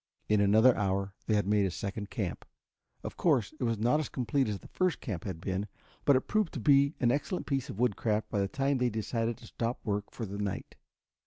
In another hour they had made a second camp. Of course, it was not as complete as the first camp had been, but it proved to be an excellent piece of woodcraft by the time they decided to stop work for the night.